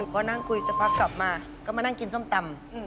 พอนั่งคุยสักพักกลับมาก็มานั่งกินส้มตำ